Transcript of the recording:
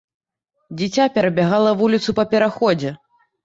Дзіця перабягала вуліцу па пераходзе.